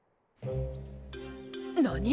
何？